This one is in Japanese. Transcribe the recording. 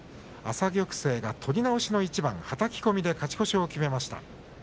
朝玉勢が取り直しの一番はたき込みで勝ち越しを決めました。